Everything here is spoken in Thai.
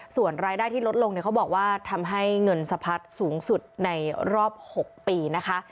ส่วนรายได้ที่ลดลงเนี่ยเขาบอกว่าทำให้เงินสะพัดสูงสุดในรอบ๖ปีนะคะ